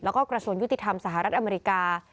แล้วก็กระทรวงยุติธรรมสหรัฐอเมริกา